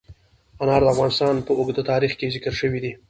انار د افغانستان په اوږده تاریخ کې ذکر شوی دی.